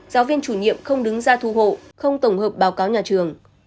giáo viên chủ nhiệm không đứng ra thu hộ không tổng hợp báo cáo nhà trường